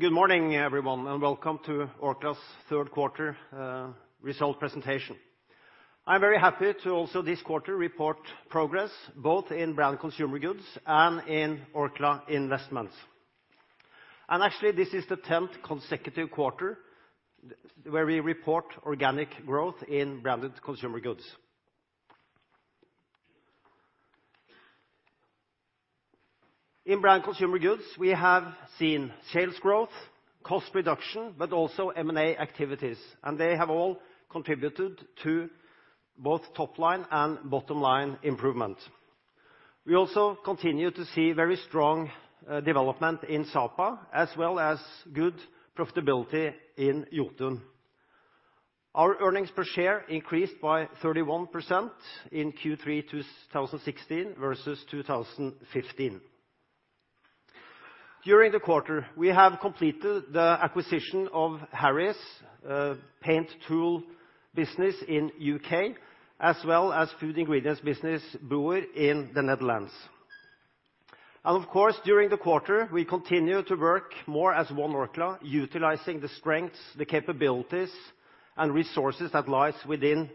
Good morning, everyone, and welcome to Orkla's third quarter result presentation. I am very happy to also this quarter report progress both in Branded Consumer Goods and in Orkla Investments. This is actually the 10th consecutive quarter where we report organic growth in Branded Consumer Goods. In Branded Consumer Goods, we have seen sales growth, cost reduction, but also M&A activities, and they have all contributed to both top-line and bottom-line improvement. We also continue to see very strong development in Sapa as well as good profitability in Jotun. Our earnings per share increased by 31% in Q3 2016 versus 2015. During the quarter, we have completed the acquisition of Harris Paint Tool business in U.K., as well as food ingredients business, Broer, in the Netherlands. During the quarter, we continue to work more as one Orkla, utilizing the strengths, the capabilities, and resources that lies within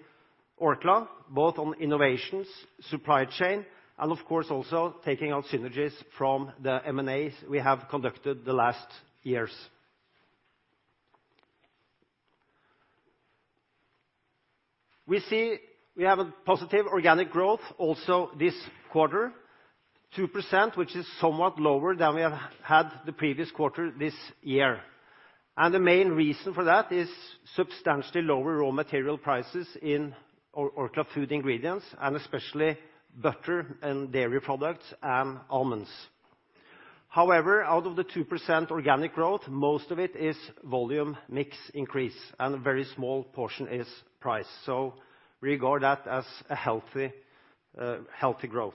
Orkla, both on innovations, supply chain, and of course, also taking on synergies from the M&As we have conducted the last years. We see we have a positive organic growth also this quarter, 2%, which is somewhat lower than we have had the previous quarter this year. The main reason for that is substantially lower raw material prices in Orkla Food Ingredients, and especially butter and dairy products and almonds. However, out of the 2% organic growth, most of it is volume mix increase and a very small portion is price. We regard that as a healthy growth.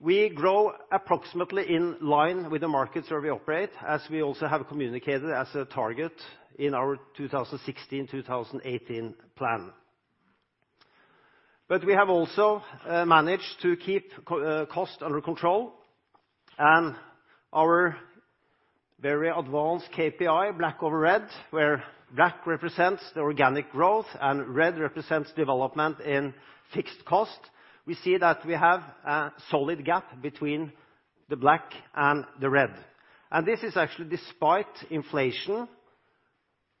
We grow approximately in line with the markets where we operate, as we also have communicated as a target in our 2016/2018 plan. We have also managed to keep cost under control and our very advanced KPI, black over red, where black represents the organic growth and red represents development in fixed cost. We see that we have a solid gap between the black and the red, and this is actually despite inflation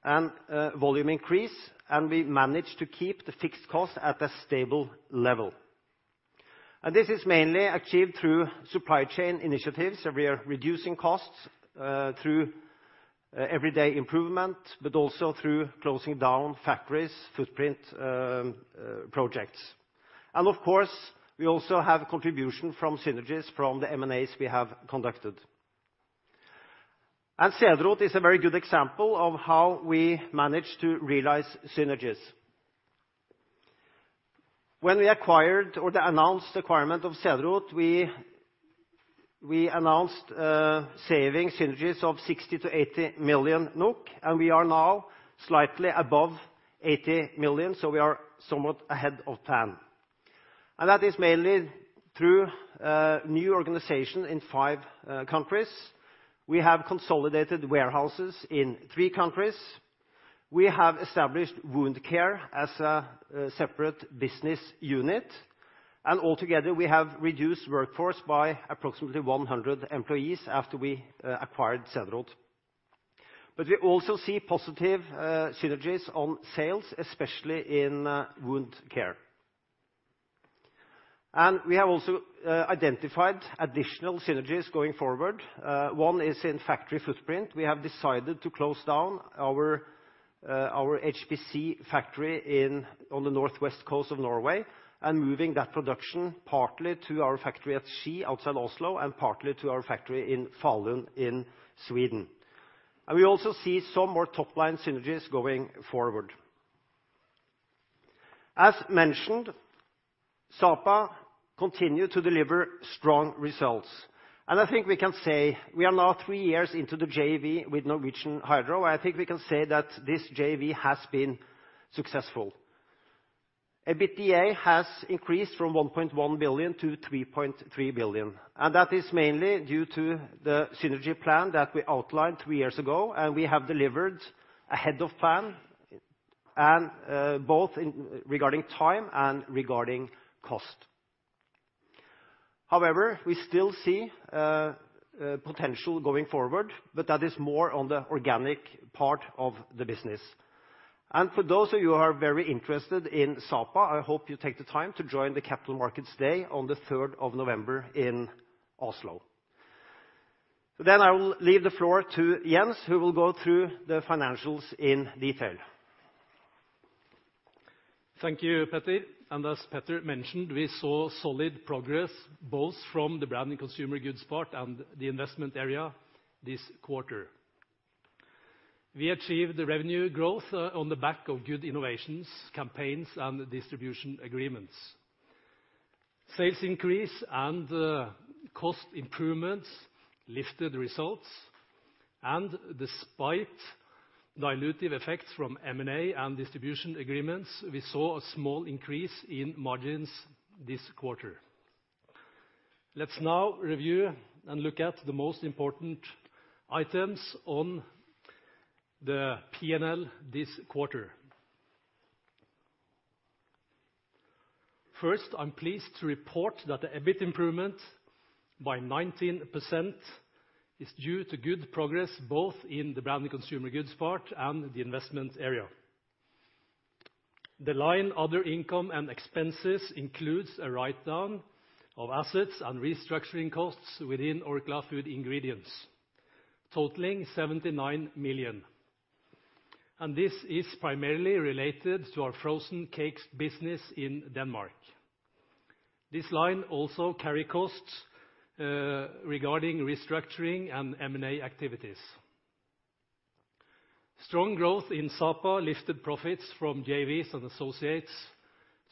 and volume increase, and we have managed to keep the fixed cost at a stable level. This is mainly achieved through supply chain initiatives, where we are reducing costs through everyday improvement, but also through closing down factories, footprint projects. Of course, we also have contribution from synergies from the M&As we have conducted. Cederroth is a very good example of how we manage to realize synergies. When we acquired or the announced requirement of Cederroth, we announced saving synergies of 60 million-80 million NOK, and we are now slightly above 80 million, so we are somewhat ahead of plan. That is mainly through a new organization in five countries. We have consolidated warehouses in three countries. We have established wound care as a separate business unit, and altogether we have reduced workforce by approximately 100 employees after we acquired Cederroth. We also see positive synergies on sales, especially in wound care. We have also identified additional synergies going forward. One is in factory footprint. We have decided to close down our HPC factory on the northwest coast of Norway and moving that production partly to our factory at Ski outside Oslo and partly to our factory in Falun in Sweden. We also see some more top-line synergies going forward. As mentioned, Sapa continue to deliver strong results, and I think we can say we are now 3 years into the JV with Norsk Hydro. I think we can say that this JV has been successful. EBITDA has increased from 1.1 billion to 3.3 billion, and that is mainly due to the synergy plan that we outlined 3 years ago. We have delivered ahead of plan, both regarding time and regarding cost. We still see potential going forward, but that is more on the organic part of the business. For those of you who are very interested in Sapa, I hope you take the time to join the Capital Markets Day on the 3rd of November in Oslo. I will leave the floor to Jens, who will go through the financials in detail. Thank you, Petter. As Petter mentioned, we saw solid progress both from the Branded Consumer Goods part and the investment area this quarter. We achieved the revenue growth on the back of good innovations, campaigns, and distribution agreements. Sales increase and cost improvements lifted results. Despite dilutive effects from M&A and distribution agreements, we saw a small increase in margins this quarter. Let's now review and look at the most important items on the P&L this quarter. First, I'm pleased to report that the EBIT improvement by 19% is due to good progress both in the Branded Consumer Goods part and the investment area. The line other income and expenses includes a write-down of assets and restructuring costs within Orkla Food Ingredients, totaling 79 million. This is primarily related to our frozen cakes business in Denmark. This line also carry costs regarding restructuring and M&A activities. Strong growth in Sapa lifted profits from JVs and associates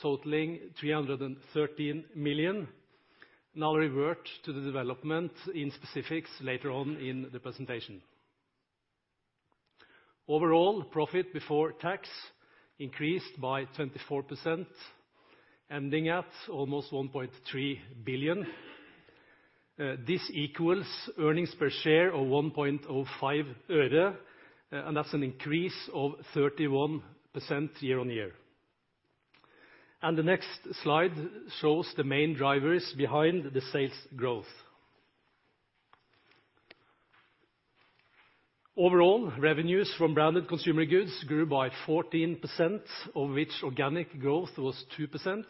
totaling 313 million. Revert to the development in specifics later on in the presentation. Overall, profit before tax increased by 24%, ending at almost 1.3 billion. This equals earnings per share of NOK 0.0105, and that's an increase of 31% year-on-year. The next slide shows the main drivers behind the sales growth. Overall, revenues from Branded Consumer Goods grew by 14%, of which organic growth was 2%.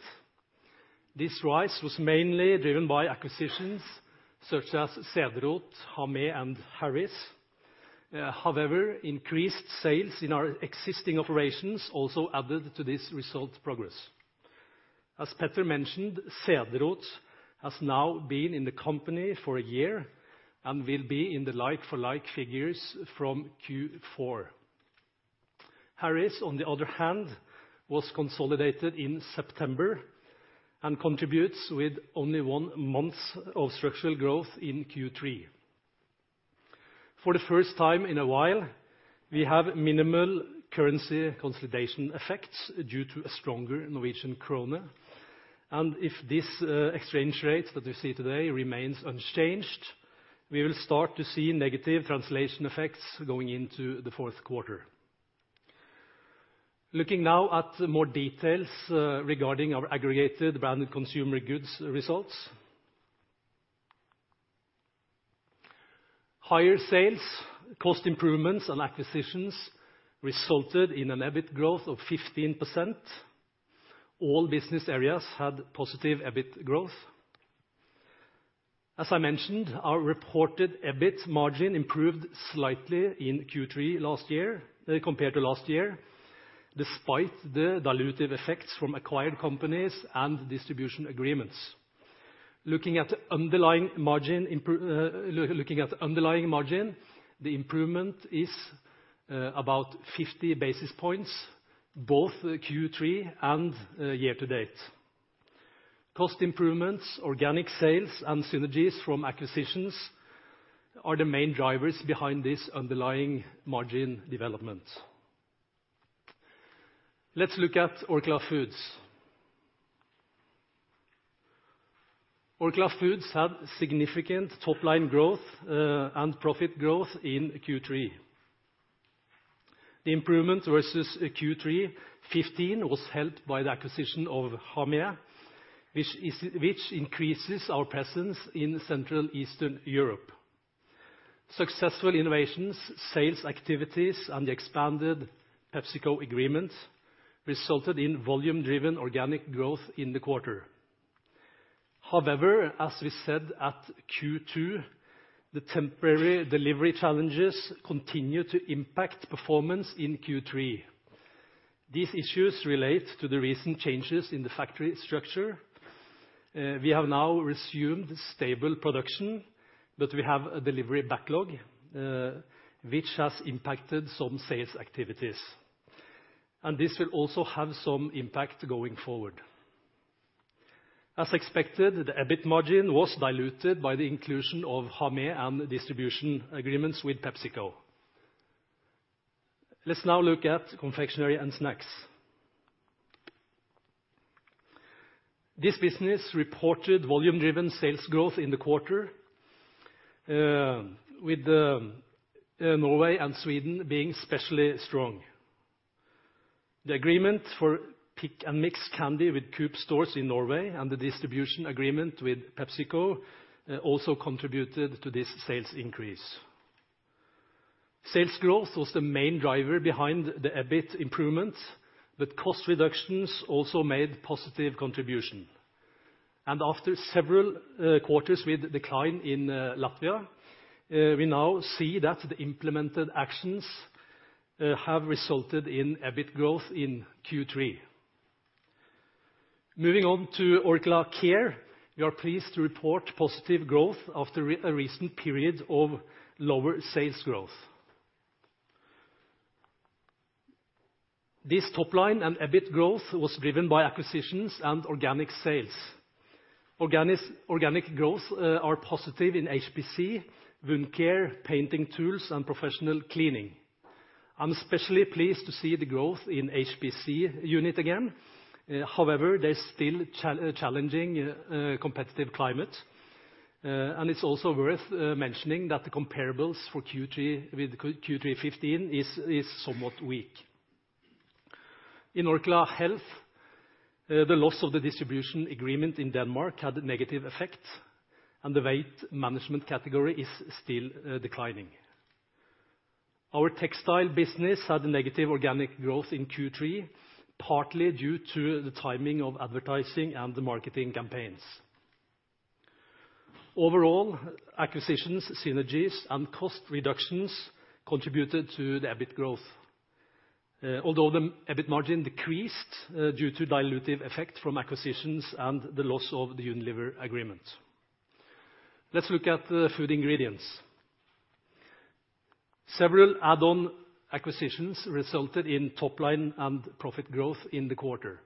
This rise was mainly driven by acquisitions such as Cederroth, Hamé, and Harris. Increased sales in our existing operations also added to this result progress. As Petter mentioned, Cederroth has now been in the company for a year and will be in the like-for-like figures from Q4. Harris, on the other hand, was consolidated in September and contributes with only one month of structural growth in Q3. For the first time in a while, we have minimal currency consolidation effects due to a stronger Norwegian krone. If this exchange rate that we see today remains unchanged, we will start to see negative translation effects going into the fourth quarter. Looking now at more details regarding our aggregated Branded Consumer Goods results. Higher sales, cost improvements, and acquisitions resulted in an EBIT growth of 15%. All business areas had positive EBIT growth. As I mentioned, our reported EBIT margin improved slightly compared to last year, despite the dilutive effects from acquired companies and distribution agreements. Looking at the underlying margin, the improvement is about 50 basis points, both Q3 and year-to-date. Cost improvements, organic sales, and synergies from acquisitions are the main drivers behind this underlying margin development. Let's look at Orkla Foods. Orkla Foods had significant top-line growth and profit growth in Q3. The improvement versus Q3 2015 was helped by the acquisition of Hamé, which increases our presence in Central Eastern Europe. Successful innovations, sales activities, and the expanded PepsiCo agreement resulted in volume-driven organic growth in the quarter. As we said at Q2, the temporary delivery challenges continued to impact performance in Q3. These issues relate to the recent changes in the factory structure. We have now resumed stable production, but we have a delivery backlog, which has impacted some sales activities, and this will also have some impact going forward. As expected, the EBIT margin was diluted by the inclusion of Hamé and distribution agreements with PepsiCo. Let's now look at Confectionery and Snacks. This business reported volume-driven sales growth in the quarter, with Norway and Sweden being especially strong. The agreement for pick and mix candy with Coop stores in Norway and the distribution agreement with PepsiCo also contributed to this sales increase. Sales growth was the main driver behind the EBIT improvement, but cost reductions also made positive contribution. After several quarters with decline in Latvia, we now see that the implemented actions have resulted in EBIT growth in Q3. Moving on to Orkla Care, we are pleased to report positive growth after a recent period of lower sales growth. This top line and EBIT growth was driven by acquisitions and organic sales. Organic growth are positive in HPC, wound care, painting tools, and professional cleaning. I'm especially pleased to see the growth in HPC unit again. There's still challenging competitive climate. It's also worth mentioning that the comparables for Q3 with Q3 2015 is somewhat weak. In Orkla Health, the loss of the distribution agreement in Denmark had a negative effect, and the weight management category is still declining. Our textile business had a negative organic growth in Q3, partly due to the timing of advertising and the marketing campaigns. Overall, acquisitions, synergies, and cost reductions contributed to the EBIT growth. Although the EBIT margin decreased due to dilutive effect from acquisitions and the loss of the Unilever agreement. Let's look at the food ingredients. Several add-on acquisitions resulted in top line and profit growth in the quarter.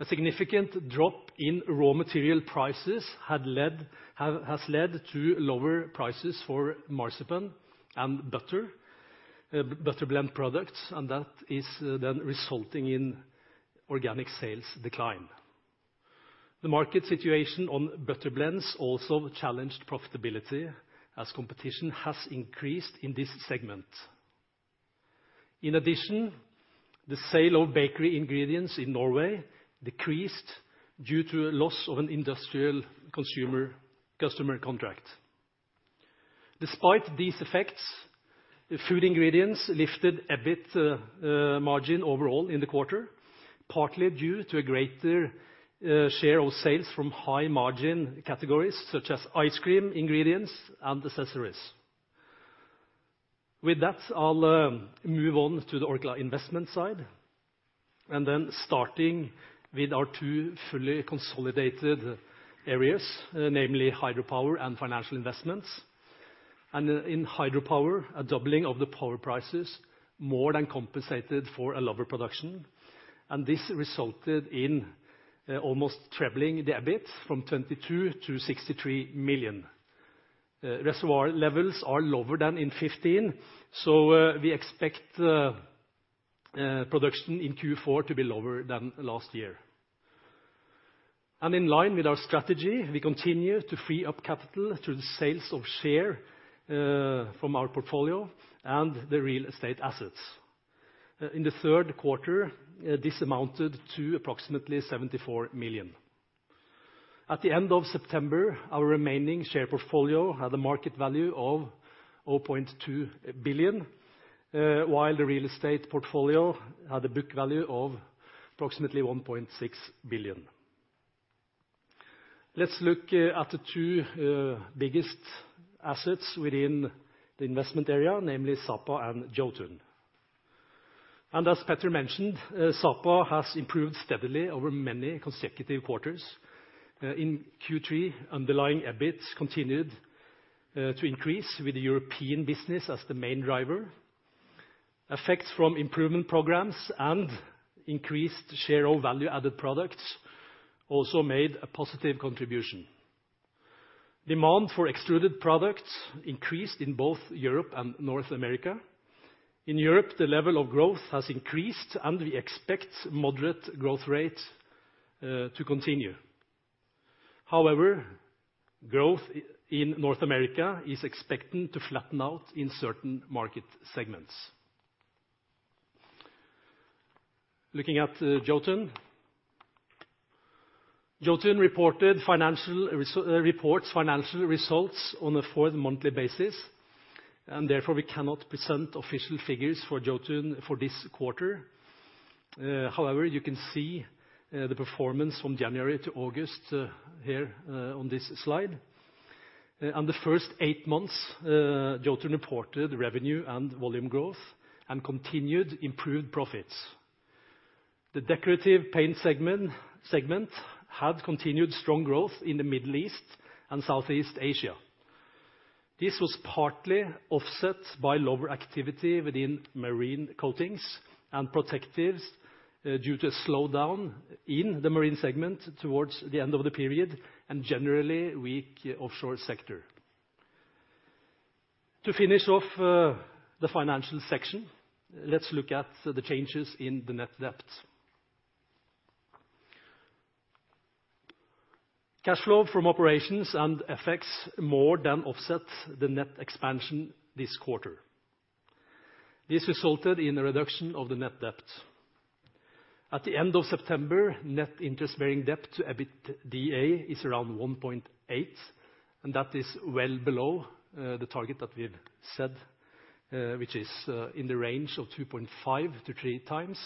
A significant drop in raw material prices has led to lower prices for marzipan and butter blend products, that is then resulting in organic sales decline. The market situation on butter blends also challenged profitability as competition has increased in this segment. In addition, the sale of bakery ingredients in Norway decreased due to a loss of an industrial consumer customer contract. Despite these effects, the food ingredients lifted a bit, margin overall in the quarter, partly due to a greater share of sales from high-margin categories such as ice cream ingredients and accessories. With that, I'll move on to the Orkla Investment side then starting with our two fully consolidated areas, namely hydropower and financial investments. In hydropower, a doubling of the power prices more than compensated for a lower production, and this resulted in almost trebling the EBIT from 22 million to 63 million. Reservoir levels are lower than in 2015, so we expect production in Q4 to be lower than last year. In line with our strategy, we continue to free up capital through the sales of share from our portfolio and the real estate assets. In the third quarter, this amounted to approximately 74 million. At the end of September, our remaining share portfolio had a market value of 0.2 billion, while the real estate portfolio had a book value of approximately 1.6 billion. Let's look at the two biggest assets within the investment area, namely Sapa and Jotun. As Petter mentioned, Sapa has improved steadily over many consecutive quarters. In Q3, underlying EBIT continued to increase with the European business as the main driver. Effects from improvement programs and increased share of value-added products also made a positive contribution. Demand for extruded products increased in both Europe and North America. In Europe, the level of growth has increased, and we expect moderate growth rates to continue. However, growth in North America is expecting to flatten out in certain market segments. Looking at Jotun. Jotun reports financial results on a fourt-monthly basis, and therefore we cannot present official figures for Jotun for this quarter. However, you can see the performance from January to August here on this slide. On the first eight months, Jotun reported revenue and volume growth and continued improved profits. The decorative paint segment had continued strong growth in the Middle East and Southeast Asia. This was partly offset by lower activity within marine coatings and protectives due to a slowdown in the marine segment towards the end of the period and generally weak offshore sector. To finish off the financial section, let's look at the changes in the net debt. Cash flow from operations and effects more than offset the net expansion this quarter. This resulted in a reduction of the net debt. At the end of September, net interest-bearing debt to EBITDA is around 1.8 times, and that is well below the target that we've said, which is in the range of 2.5 times-3 times.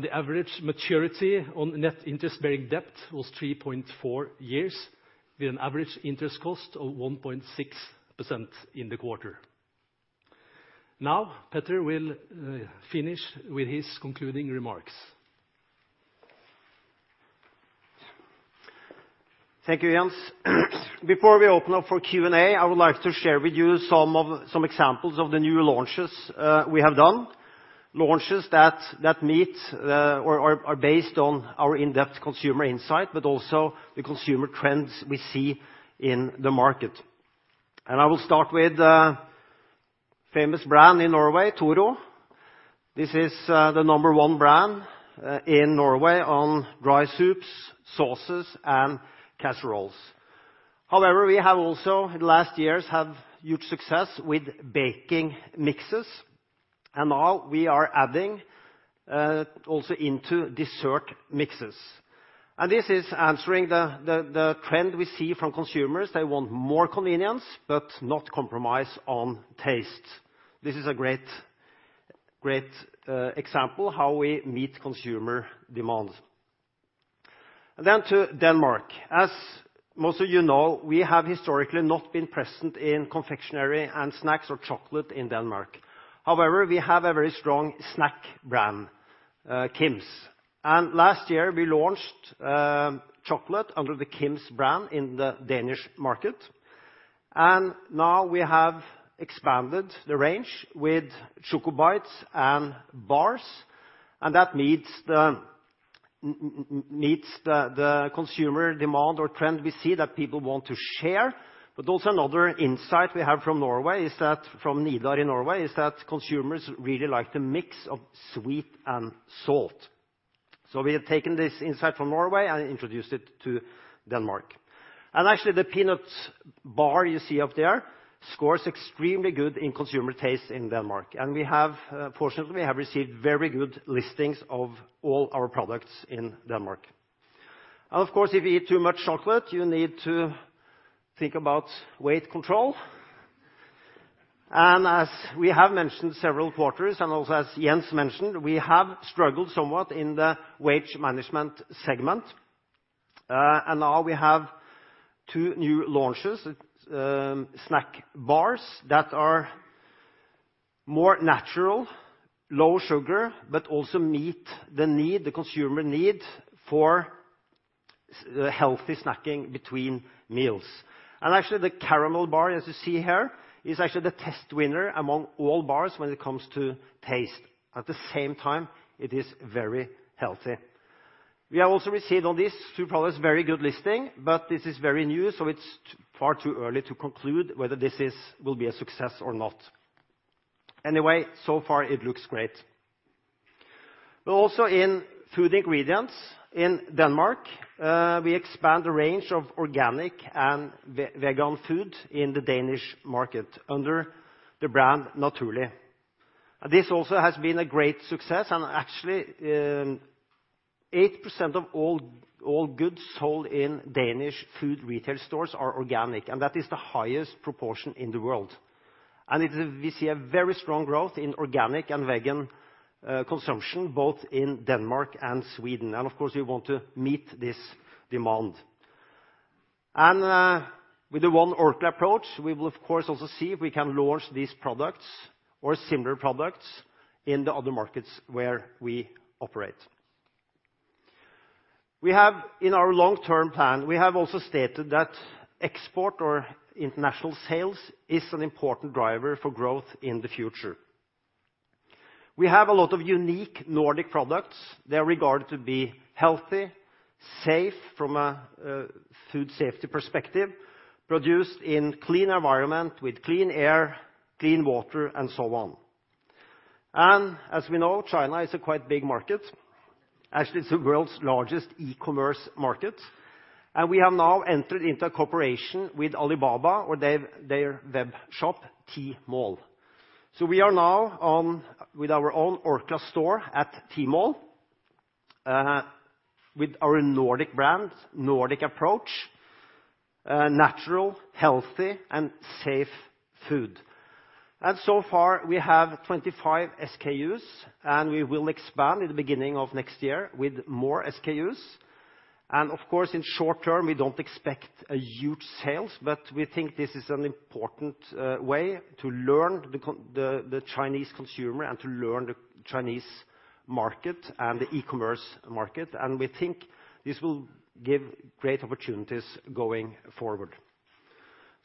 The average maturity on net interest-bearing debt was 3.4 years with an average interest cost of 1.6% in the quarter. Petter will finish with his concluding remarks Thank you, Jens. Before we open up for Q&A, I would like to share with you some examples of the new launches we have done. Launches that meet or are based on our in-depth consumer insight, but also the consumer trends we see in the market. I will start with a famous brand in Norway, Toro. This is the number one brand in Norway on dry soups, sauces, and casseroles. However, we have also in the last years had huge success with baking mixes, and now we are adding also into dessert mixes. This is answering the trend we see from consumers. They want more convenience but not compromise on taste. This is a great example how we meet consumer demands. To Denmark. As most of you know, we have historically not been present in Confectionery and Snacks or chocolate in Denmark. We have a very strong snack brand, KiMs, and last year we launched chocolate under the KiMs brand in the Danish market. Now we have expanded the range with Choco Bites and bars, that meets the consumer demand or trend we see that people want to share. Also another insight we have from Nidar in Norway is that consumers really like the mix of sweet and salt. We have taken this insight from Norway and introduced it to Denmark. The peanuts bar you see up there scores extremely good in consumer taste in Denmark, and we have fortunately received very good listings of all our products in Denmark. Of course, if you eat too much chocolate, you need to think about weight control. As we have mentioned several quarters, and also as Jens mentioned, we have struggled somewhat in the weight management segment. We have 2 new launches, snack bars that are more natural, low sugar, also meet the consumer need for healthy snacking between meals. The caramel bar, as you see here, is the test winner among all bars when it comes to taste. At the same time, it is very healthy. We have also received on these 2 products very good listing, this is very new, so it's far too early to conclude whether this will be a success or not. So far it looks great. In Orkla Food Ingredients in Denmark, we expand the range of organic and vegan food in the Danish market under the brand Naturli'. This has also been a great success, and 8% of all goods sold in Danish food retail stores are organic, and that is the highest proportion in the world. We see a very strong growth in organic and vegan consumption both in Denmark and Sweden. We want to meet this demand. With the One Orkla approach, we will also see if we can launch these products or similar products in the other markets where we operate. In our long-term plan, we have also stated that export or international sales is an important driver for growth in the future. We have a lot of unique Nordic products. They are regarded to be healthy, safe from a food safety perspective, produced in clean environment with clean air, clean water, and so on. China is a quite big market. It's the world's largest e-commerce market, and we have now entered into a cooperation with Alibaba or their web shop, Tmall. We are now with our own Orkla store at Tmall with our Nordic brand, Nordic approach, natural, healthy, and safe food. We have 25 SKUs, and we will expand in the beginning of next year with more SKUs. In short term, we don't expect huge sales, we think this is an important way to learn the Chinese consumer and to learn the Chinese market and the e-commerce market. We think this will give great opportunities going forward.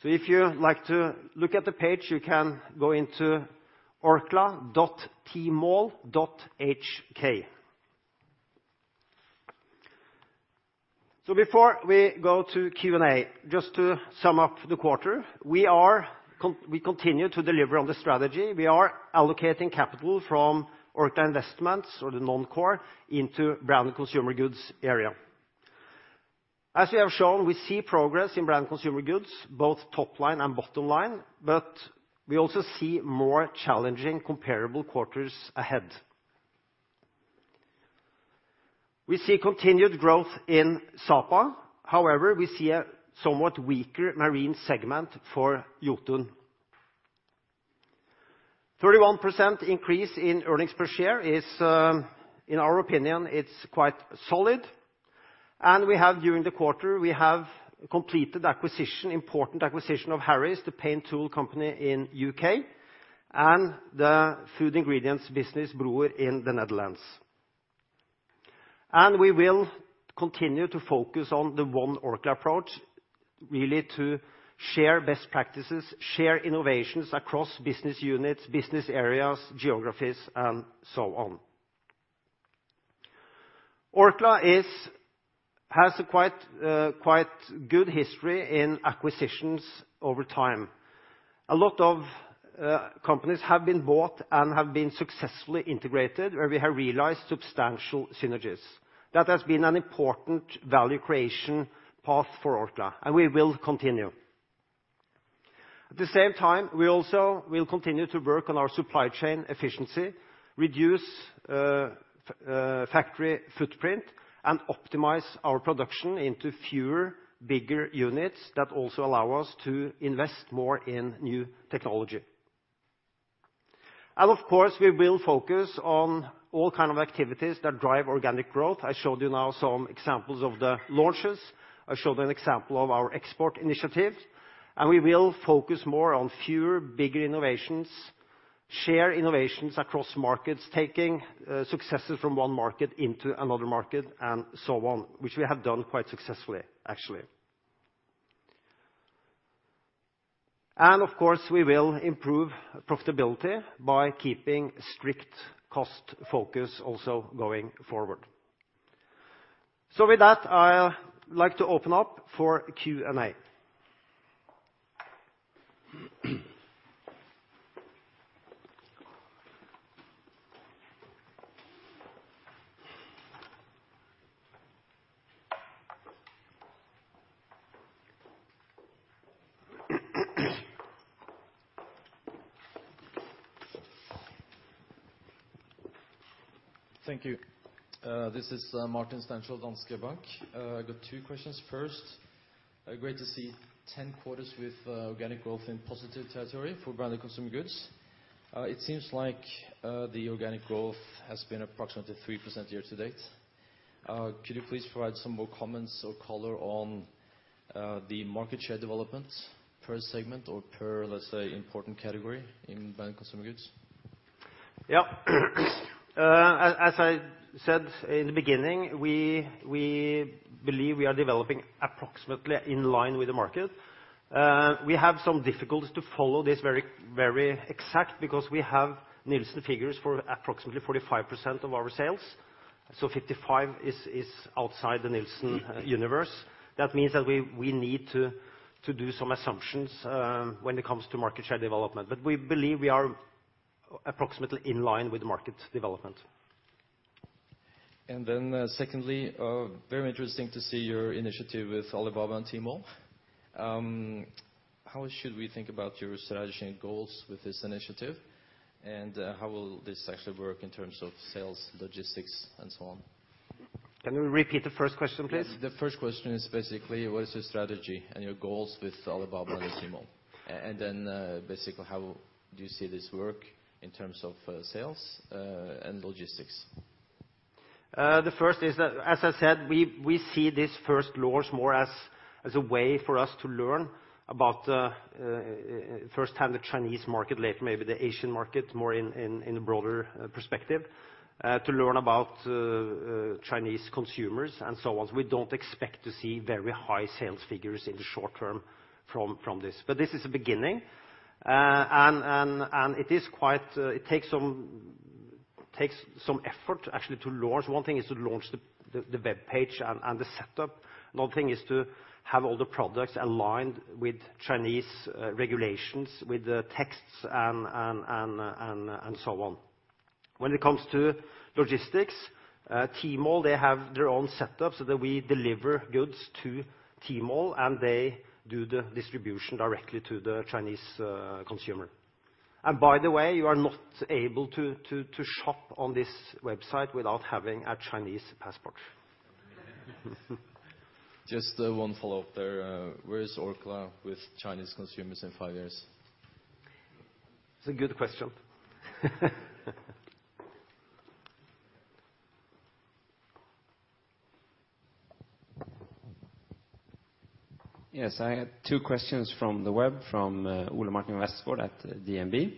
If you like to look at the page, you can go into orkla.tmall.hk. Before we go to Q&A, just to sum up the quarter, we continue to deliver on the strategy. We are allocating capital from Orkla Investments or the non-core into Branded Consumer Goods area. As we have shown, we see progress in Branded Consumer Goods, both top line and bottom line, but we also see more challenging comparable quarters ahead. We see continued growth in Sapa. However, we see a somewhat weaker marine segment for Jotun. 31% increase in earnings per share is, in our opinion, quite solid. During the quarter, we have completed important acquisition of Harris, the paint tool company in U.K., and the food ingredients business, Broer, in the Netherlands. We will continue to focus on the one Orkla approach, really to share best practices, share innovations across business units, business areas, geographies, and so on. Orkla has a quite good history in acquisitions over time. A lot of companies have been bought and have been successfully integrated, where we have realized substantial synergies. That has been an important value creation path for Orkla, and we will continue. At the same time, we also will continue to work on our supply chain efficiency, reduce factory footprint, and optimize our production into fewer, bigger units that also allow us to invest more in new technology. Of course, we will focus on all kind of activities that drive organic growth. I showed you now some examples of the launches. I showed an example of our export initiatives. We will focus more on fewer, bigger innovations, share innovations across markets, taking successes from one market into another market, and so on, which we have done quite successfully, actually. Of course, we will improve profitability by keeping strict cost focus also going forward. With that, I like to open up for Q&A. Thank you. This is Martin Stenshall, Danske Bank. I got two questions. First, great to see 10 quarters with organic growth in positive territory for Branded Consumer Goods. It seems like the organic growth has been approximately 3% year to date. Could you please provide some more comments or color on the market share developments per segment or per, let's say, important category in Branded Consumer Goods? Yeah. As I said in the beginning, we believe we are developing approximately in line with the market. We have some difficulties to follow this very exact because we have Nielsen figures for approximately 45% of our sales. So 55 is outside the Nielsen universe. That means that we need to do some assumptions when it comes to market share development, but we believe we are approximately in line with market development. Secondly, very interesting to see your initiative with Alibaba and Tmall. How should we think about your strategy and goals with this initiative? How will this actually work in terms of sales, logistics, and so on? Can you repeat the first question, please? The first question is basically, what is your strategy and your goals with Alibaba and Tmall? Basically, how do you see this work in terms of sales and logistics? The first is that, as I said, we see this first launch more as a way for us to learn about, first time, the Chinese market, later maybe the Asian market, more in a broader perspective, to learn about Chinese consumers and so on. We don't expect to see very high sales figures in the short term from this. This is a beginning, and it takes some effort, actually, to launch. One thing is to launch the webpage and the setup. Another thing is to have all the products aligned with Chinese regulations, with the texts, and so on. When it comes to logistics, Tmall, they have their own setup so that we deliver goods to Tmall, and they do the distribution directly to the Chinese consumer. By the way, you are not able to shop on this website without having a Chinese passport. Just one follow-up there. Where is Orkla with Chinese consumers in five years? It's a good question. Yes, I had two questions from the web from Ole Martin Westgaard at DNB.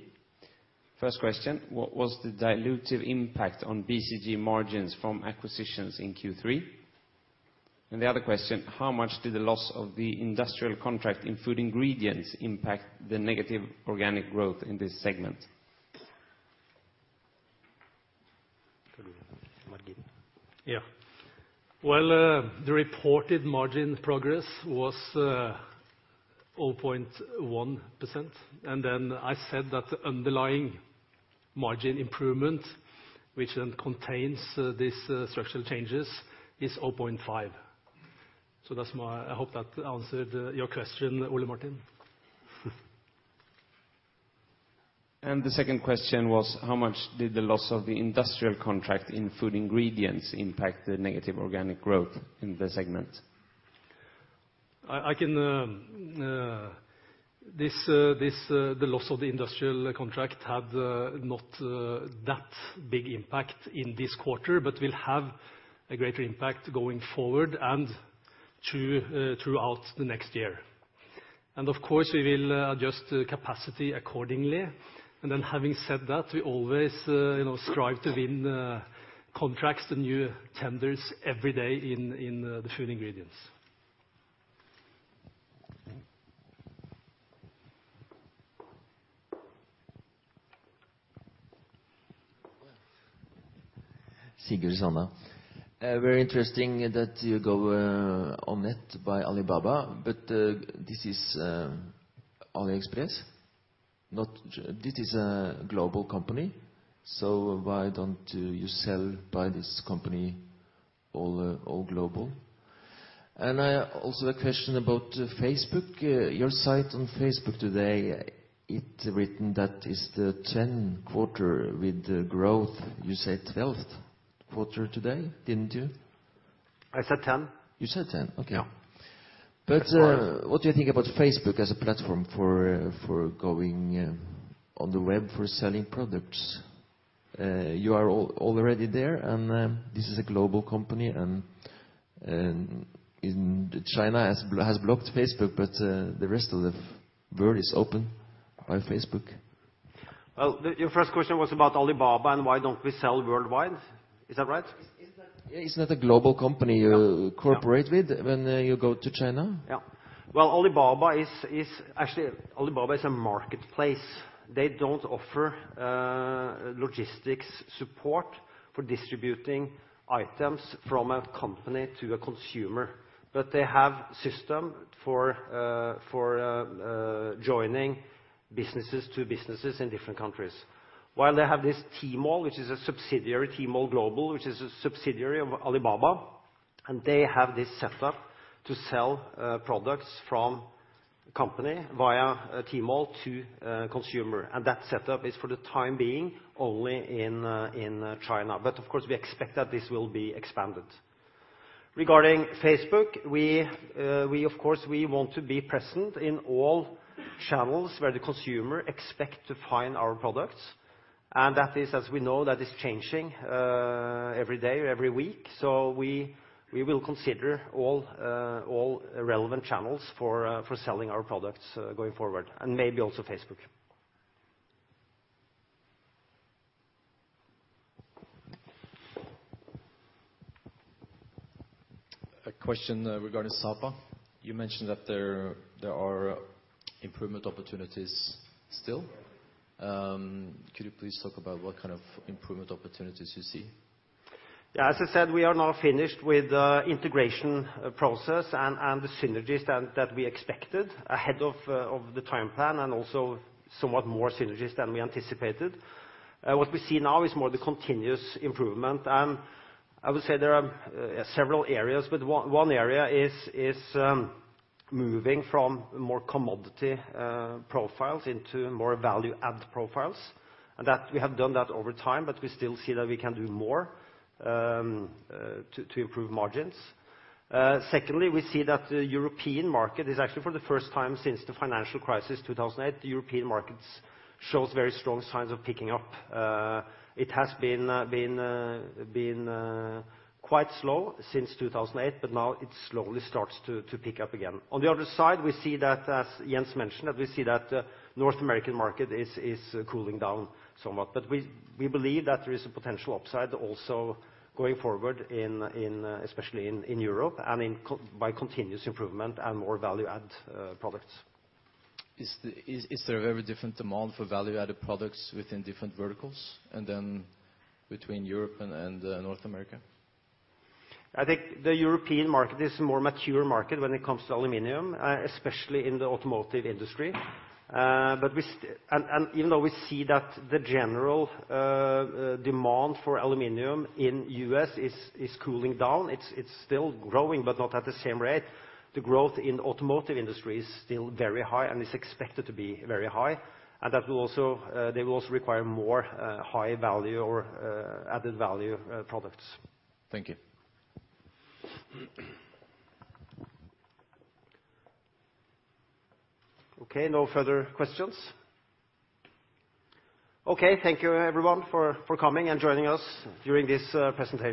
First question, what was the dilutive impact on BCG margins from acquisitions in Q3? The other question, how much did the loss of the industrial contract in Food Ingredients impact the negative organic growth in this segment? Margin. Well, the reported margin progress was 0.1%. Then I said that the underlying margin improvement, which then contains these structural changes, is 0.5%. I hope that answered your question, Ole Martin. The second question was, how much did the loss of the industrial contract in Food Ingredients impact the negative organic growth in the segment? The loss of the industrial contract had not that big impact in this quarter but will have a greater impact going forward and throughout the next year. Of course, we will adjust the capacity accordingly. Having said that, we always strive to win contracts and new tenders every day in the Food Ingredients. Sigur Sanna. Very interesting that you go on it by Alibaba, but this is AliExpress. This is a global company, so why don't you sell by this company all global? Also a question about Facebook. Your site on Facebook today, it's written that is the 10th quarter with growth. You said 12th quarter today, didn't you? I said 10. You said 10? Okay. Yeah. What do you think about Facebook as a platform for going on the web for selling products? You are already there, and this is a global company, and China has blocked Facebook, but the rest of the world is open by Facebook. Well, your first question was about Alibaba and why don't we sell worldwide? Is that right? Isn't that a global company you cooperate with when you go to China? Well, actually Alibaba is a marketplace. They don't offer logistics support for distributing items from a company to a consumer. They have system for joining businesses to businesses in different countries. While they have this Tmall, which is a subsidiary, Tmall Global, which is a subsidiary of Alibaba, they have this set up to sell products from company via Tmall to consumer. That set up is for the time being only in China. Of course, we expect that this will be expanded. Regarding Facebook, of course, we want to be present in all channels where the consumer expect to find our products. That is, as we know, that is changing every day, every week. We will consider all relevant channels for selling our products going forward and maybe also Facebook. A question regarding Sapa. You mentioned that there are improvement opportunities still. Could you please talk about what kind of improvement opportunities you see? As I said, we are now finished with the integration process, the synergies that we expected ahead of the time plan, also somewhat more synergies than we anticipated. What we see now is more the continuous improvement. I would say there are several areas, one area is moving from more commodity profiles into more value add profiles. That we have done that over time, we still see that we can do more to improve margins. Secondly, we see that the European market is actually for the first time since the financial crisis, 2008, the European markets shows very strong signs of picking up. It has been quite slow since 2008, now it slowly starts to pick up again. On the other side, we see that, as Jens mentioned, that we see that North American market is cooling down somewhat. We believe that there is a potential upside also going forward, especially in Europe and by continuous improvement and more value add products. Is there a very different demand for value-added products within different verticals and then between Europe and North America? I think the European market is a more mature market when it comes to aluminum, especially in the automotive industry. Even though we see that the general demand for aluminum in U.S. is cooling down, it's still growing, but not at the same rate. The growth in automotive industry is still very high and is expected to be very high, and they will also require more high value or added value products. Thank you. Okay, no further questions. Okay, thank you everyone for coming and joining us during this presentation.